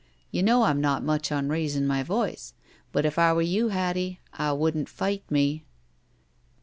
You know I'm not much on raisin' my voice, but if I were you, Hattie, I wouldn't fight me."